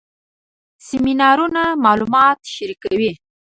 سیمینارونه معلومات شریکوي